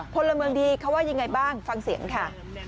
พลเมืองดีเขาว่ายังไงบ้างฟังเสียงค่ะ